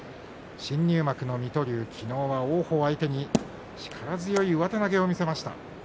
新入幕の水戸龍、昨日は王鵬相手に力強い上手投げを見せました。